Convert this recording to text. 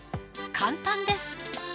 簡単です